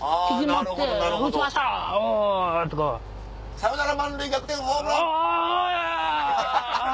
サヨナラ満塁逆転ホームラン。